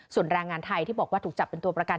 ส่วนแรงงานไทยที่บอกว่าถูกจับเป็นตัวประกัน